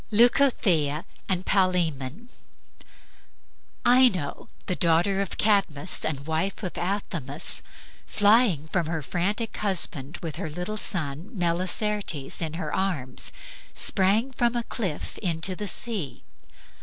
LEUCOTHEA AND PALAEMON Ino, the daughter of Cadmus and wife of Athamas, flying from her frantic husband with her little son Melicertes in her arms, sprang from a cliff into the sea.